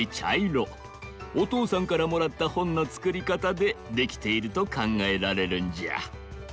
おとうさんからもらったほんのつくりかたでできているとかんがえられるんじゃ。